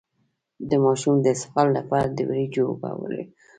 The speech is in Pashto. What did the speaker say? د ماشوم د اسهال لپاره د وریجو اوبه ورکړئ